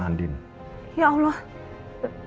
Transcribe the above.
karena dia nekat mau ketemu sama andin